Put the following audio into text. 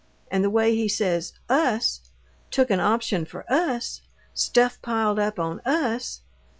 And the way he says 'Us': 'Took an option for Us'! 'Stuff piled up on Us'!"